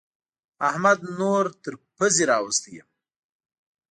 احمد نور تر پوزې راوستی يم.